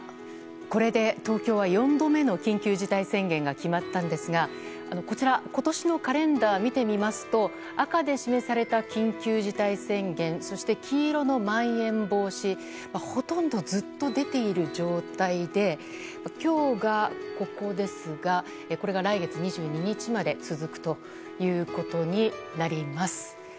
これで東京は４度目の緊急事態宣言が決まったんですが今年のカレンダーを見てみますと赤で示された緊急事態宣言そして黄色のまん延防止ほとんどずっと出ている状態で今日がここですがこれが来月２２日まで続くということになります。